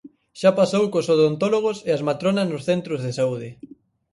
Xa pasou cos odontólogos e as matronas nos centros de saúde.